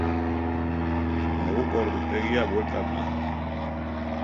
Neguko ordutegia bueltan da.